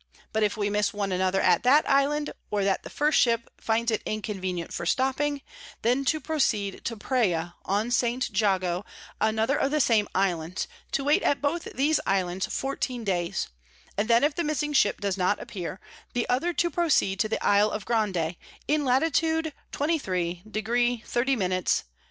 But if we miss of one another at that Island, or that the first Ship finds it inconvenient for stopping, then to proceed to_ Praia on St. Jago, _another of the same Islands; to wait at both these Islands fourteen Days: And then if the missing Ship does not appear, the other to proceed to the Isle of_ Grande, in Latitude 23 deg. 30 m. S.